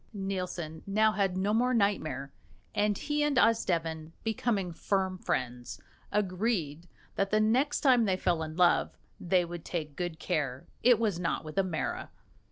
Nielsen now had no more nightmare, and he and Osdeven, becoming firm friends, agreed that the next time they fell in love they would take good care it was not with a mara.